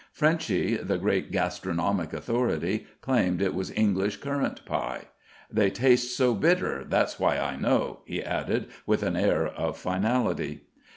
Frenchy, the great gastronomic authority, claimed it was English currant pie. "They taste so bitter, that's why I know," he added with an air of finality.